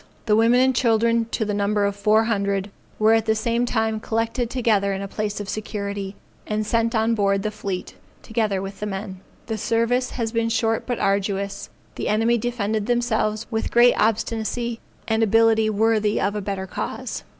The women and children to the number of four hundred, were at the same time collected together in a place of security, and sent on board the fleet, together with the men. The service has been short but arduous; the enemy defended themselves with great obstinacy and ability worthy of a better cause.